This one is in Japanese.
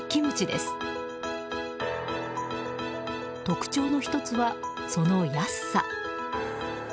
特徴の１つは、その安さ。